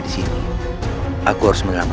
aku tidak akan bisa membiarkan dia